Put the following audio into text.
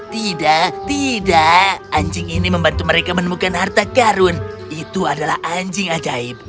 tidak tidak anjing ini membantu mereka menemukan harta karun itu adalah anjing ajaib